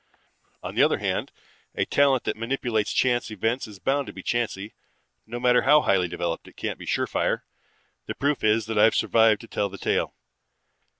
"On the other hand, a talent that manipulates chance events is bound to be chancy. No matter how highly developed it can't be surefire. The proof is that I've survived to tell the tale."